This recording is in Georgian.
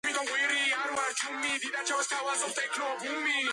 სიაში მოხვედრილ ადამიანთა დიდი ნაწილი სამსახურიდან დაითხოვეს.